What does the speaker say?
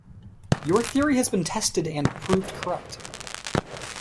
Your theory has been tested and proved correct.